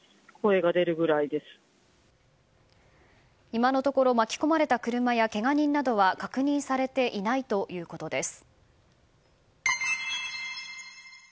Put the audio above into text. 今のところ巻き込まれた車やけが人などは確認されていないということです。